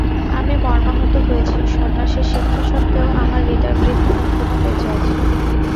আমি মর্মাহত হয়েছি, সন্ন্যাসের শিক্ষা সত্ত্বেও আমার হৃদয়বৃদ্ধি এখনও বেঁচে আছে।